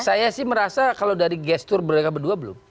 saya sih merasa kalau dari gestur mereka berdua belum